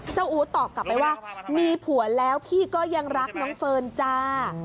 อู๋ตอบกลับไปว่ามีผัวแล้วพี่ก็ยังรักน้องเฟิร์นจ้า